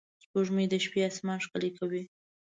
سپوږمۍ د شپې آسمان ښکلی کوي